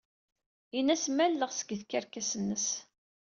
Ini-as malleɣ seg tkerkas-nnes.